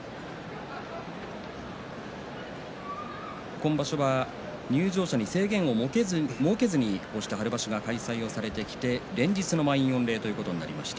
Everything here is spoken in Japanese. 今場所は入場者に制限を設けずにこうして春場所が開催されて連日の満員御礼